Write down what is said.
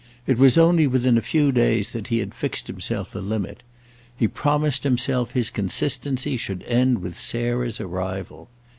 It was only within a few days that he had fixed himself a limit: he promised himself his consistency should end with Sarah's arrival.